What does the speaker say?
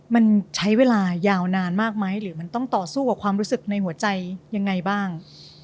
มันใช้เวลายาวนานมากไหมหรือมันต้องต่อสู้กับความรู้สึกในหัวใจยังไงบ้าง